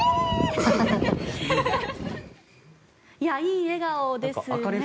いい笑顔ですね。